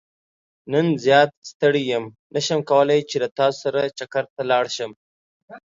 نن زيات ستړى يم نه شم کولاي چې له تاسو سره چکرته لاړ شم.